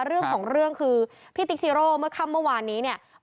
เรื่องของเรื่องคือพี่ติ๊กซีโร่เมื่อค่ำเมื่อวานนี้เนี่ย